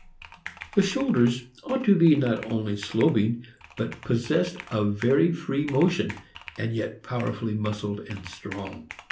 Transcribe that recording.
The shoulders ought to be not only sloping, but pos sessed of very free motion, and yet powerfully mus cled and strong.